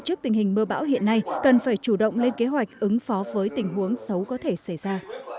trước tình hình mưa bão hiện nay cần phải chủ động lên kế hoạch ứng phó với tình huống xấu có thể xảy ra